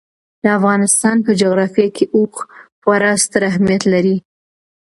د افغانستان په جغرافیه کې اوښ خورا ستر اهمیت لري.